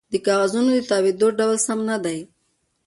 د کاغذونو د تاویدو ډول سم نه دی